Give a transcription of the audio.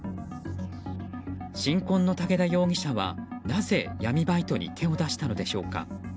新婚の武田容疑者はなぜ闇バイトに手を出したのでしょうか。